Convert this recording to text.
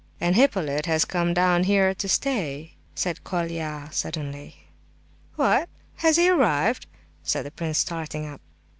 "And Hippolyte has come down here to stay," said Colia, suddenly. "What! has he arrived?" said the prince, starting up.